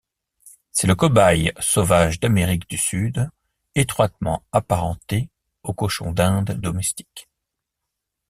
C'est le Cobaye sauvage d'Amérique du Sud, étroitement apparenté au Cochon d'Inde domestique.